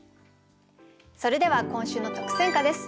それでは今週の特選歌です。